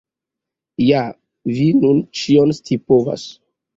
Ja vi nun ĉion scipovas!